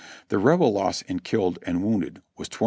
The Rebel loss in killed and wounded was 25,542.